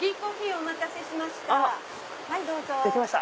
珈琲お待たせしました。